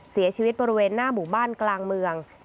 เสียชีวิตบริเวณหน้าหมู่บ้านกลางเมือง